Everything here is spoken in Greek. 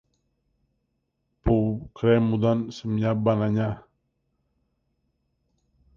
που κρέμουνταν σε μια μπανανιά